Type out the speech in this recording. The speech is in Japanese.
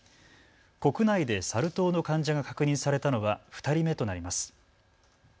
国内でサル痘の患者が確認されたのは２人目となります。